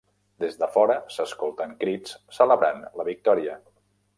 Des de fora s'escolten crits celebrant la victòria.